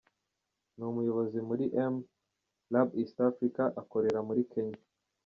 Ni umuyobozi muri m: Lab East Africa, akorera muri Kenya.